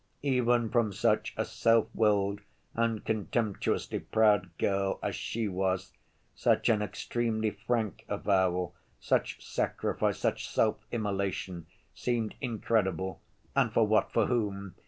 Even from such a self‐willed and contemptuously proud girl as she was, such an extremely frank avowal, such sacrifice, such self‐immolation, seemed incredible. And for what, for whom?